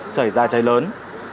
xảy ra cháy lớn